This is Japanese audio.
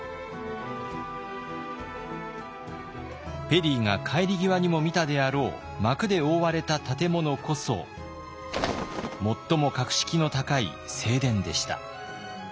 ペリーが帰り際にも見たであろう幕で覆われた建物こそ最も格式の高い正殿でした。